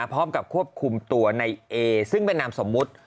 พร้อมกับควบคุมตัวในเอซึ่งเป็นนามสมมุติ